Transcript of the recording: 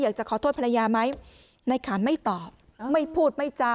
อยากจะขอโทษภรรยาไหมในขานไม่ตอบไม่พูดไม่จา